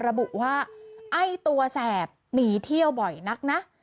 ระบุว่าไอ้ตัวแสบหนีเที่ยวบ่อยนักนะ